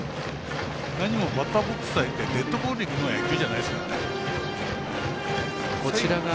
何もバッターボックス入ってデッドボールいくのが野球じゃないですからね！